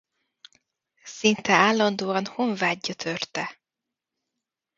Szinte állandóan honvágy gyötörte.